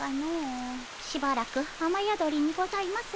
しばらく雨宿りにございますねえ。